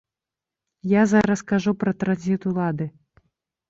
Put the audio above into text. Я зараз кажу пра транзіт улады.